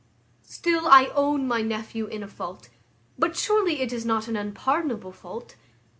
"Still I own my nephew in a fault; but surely it is not an unpardonable fault.